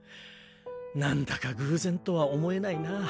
なんだか偶然とは思えないな。